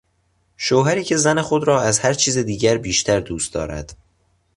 شوهری که زن خود را از هر چیز دیگر بیشتر دوست دارد